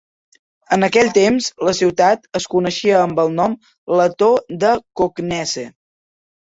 En aquell temps, la ciutat es coneixia amb el nom letó de Koknese.